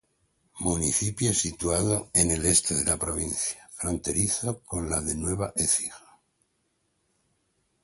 Municipio situado en el este de la provincia, fronterizo con la de Nueva Écija.